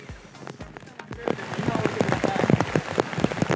今、降りてください。